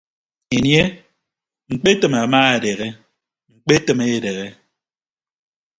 Enie ñkpetịm ama edehe ñkpetịm edehe.